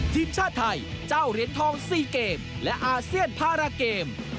ทีมชาติไทยเจ้าเหรียญทอง๔เกมและอาเซียนพาราเกม